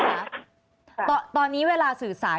อันดับที่สุดท้าย